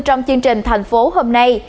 trong chương trình thành phố hôm nay